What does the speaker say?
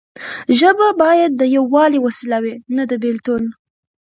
ژبه باید د یووالي وسیله وي نه د بیلتون.